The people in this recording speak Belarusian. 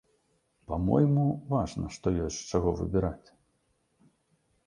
Па-мойму, важна, што ёсць з чаго выбіраць.